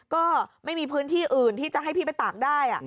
ก็ไม่มีพื้นที่อื่นที่จะให้พี่ไปตากได้